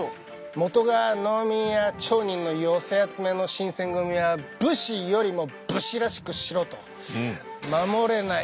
元が農民や町人の寄せ集めの新選組は武士よりも武士らしくしろと。